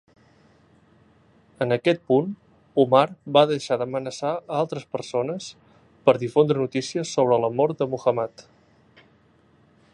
En aquest punt, Umar va deixar d"amenaçar a altres persones per difondre noticies sobre la mort de Muhammad.